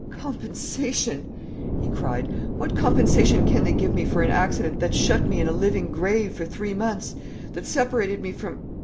"Compensation!" he cried. "What compensation can they give me for an accident that shut me in a living grave for three months, that separated me from